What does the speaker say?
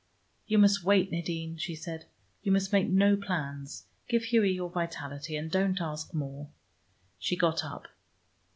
"You must wait, Nadine," she said. "You must make no plans. Give Hughie your vitality, and don't ask more." She got up.